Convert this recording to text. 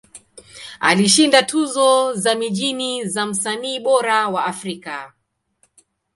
Alishinda tuzo za mijini za Msanii Bora wa Afrika.